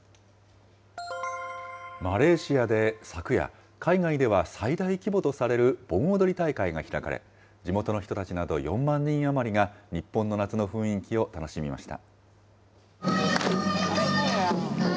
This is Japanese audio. マレーシアで昨夜、海外では最大規模とされる盆踊り大会が開かれ、地元の人たちなど、４万人余りが日本の夏の雰囲気を楽しみました。